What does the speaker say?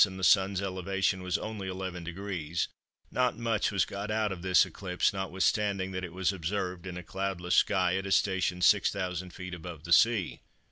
and the Sun's elevation was only 11°, not much was got out of this eclipse notwithstanding that it was observed in a cloudless sky at a station 6000 ft. above the sea.